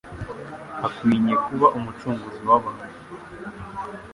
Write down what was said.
Akwinye kuba Umucunguzi w'abantu.